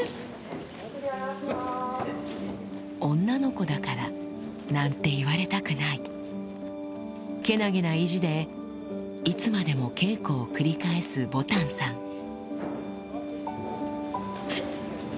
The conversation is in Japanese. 「女の子だから」なんて言われたくないけなげな意地でいつまでも稽古を繰り返すぼたんさんふっ。